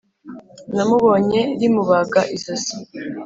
Namubonye rimubaga izosi